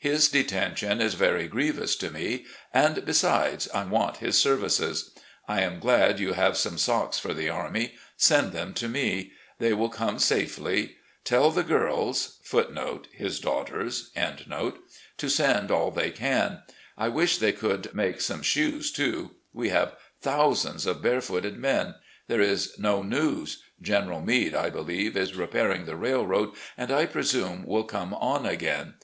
His detention is very grievous to me, and, besides, I want his services. I am glad you have some socks for the army. Send them to me. They will come safely. Tell the girls* to send all they can. I wish they could make some shoes, too. We have thousands of barefooted men. There is no news. General Meade, I believe, is repairing the railroad, and I prestune will come on again.